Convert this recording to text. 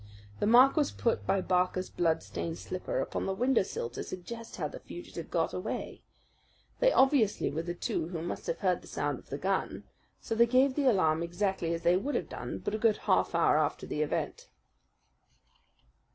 The mark was put by Barker's bloodstained slipper upon the windowsill to suggest how the fugitive got away. They obviously were the two who must have heard the sound of the gun; so they gave the alarm exactly as they would have done, but a good half hour after the event."